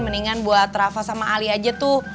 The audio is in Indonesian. mendingan buat rafa sama ali aja tuh